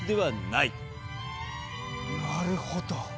なるほど。